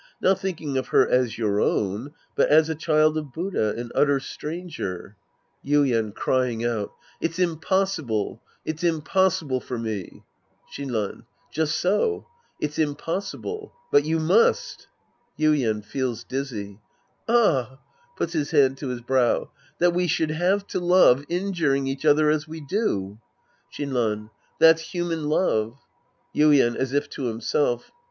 Not thinking of her as your own, but as a cliild of Buddha, an utter stranger — Sc. II The Priest and His Disciples 213 Yuien {crying out). It's impossible. It's impos sible for me. Shinran. Just so. It's impossible. But you must 1 Yuien {feels dizzy). Ah I {Puts his hand to his l>row.) That we should have to love, injuring each other as we do ! Shinran. That's human love. Yuien {as if to himself).